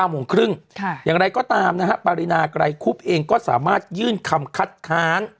โมงครึ่งอย่างไรก็ตามนะฮะปรินาไกรคุบเองก็สามารถยื่นคำคัดค้าน